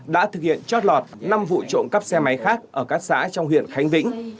đã thực hiện trót lọt năm vụ trộm cắp xe máy khác ở các xã trong huyện khánh vĩnh